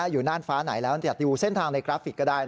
อยู่น่านฟ้าไหนแล้วดูเส้นทางในกราฟิกก็ได้